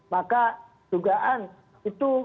maka dugaan itu